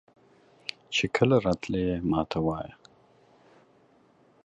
چې کله راتلې ماته وایه.